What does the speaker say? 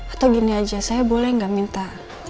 atau gini aja saya boleh nggak minta